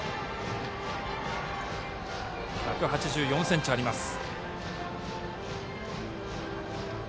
１８４ｃｍあります。